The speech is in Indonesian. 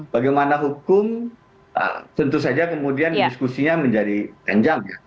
bagaimana hukum tentu saja kemudian diskusinya menjadi tenjang